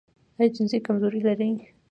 ایا جنسي کمزوري لرئ؟